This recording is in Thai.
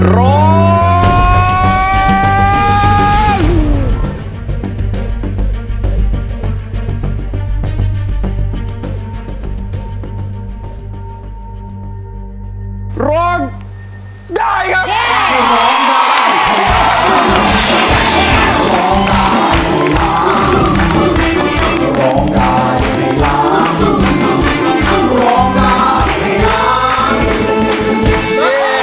ร้อยยยยย